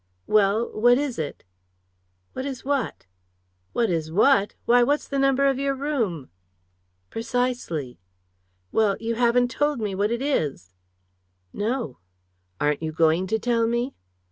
"Well what is it?" "What is what?" "What is what! Why, what's the number of your room?" "Precisely." "Well, you haven't told me what it is." "No." "Aren't you going to tell me?"